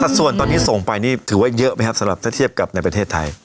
ส่วนตอนนี้ส่งไปนี่ถือว่าเยอะไหมครับสำหรับถ้าเทียบกับในประเทศไทย